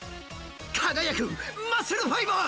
かがやくマッスルファイバー！